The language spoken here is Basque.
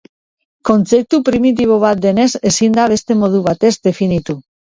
Kontzeptu primitibo bat denez ezin da beste modu batez definitu.